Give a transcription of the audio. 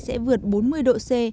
sẽ vượt bốn mươi độ c